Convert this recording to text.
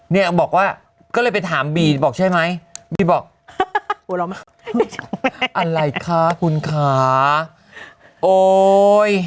เนี่ยบอกว่าก็เลยไปถามบีบอกใช่ไหมบีบอกกลัวเรามากอะไรคะคุณคะโอ๊ย